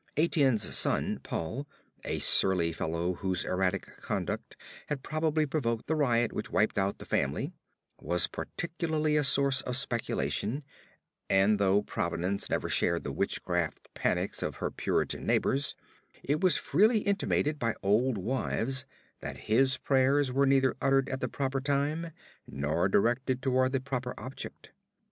Etienne's son Paul, a surly fellow whose erratic conduct had probably provoked the riot which wiped out the family, was particularly a source of speculation; and though Providence never shared the witchcraft panics of her Puritan neighbors, it was freely intimated by old wives that his prayers were neither uttered at the proper time nor directed toward the proper object.